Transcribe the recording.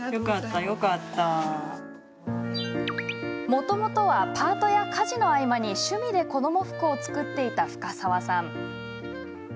もともとはパートや家事の合間に趣味で子ども服を作っていた深澤さん。